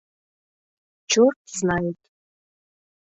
Чёрт знает